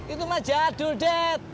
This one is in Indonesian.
itu mah jadul dad